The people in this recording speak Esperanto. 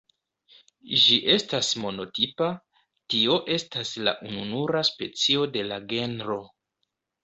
Ĝi estas monotipa, tio estas la ununura specio de la genro.